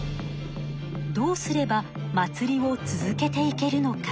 どうすれば祭りを続けていけるのか。